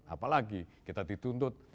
apalagi kita dituntut keterbukaan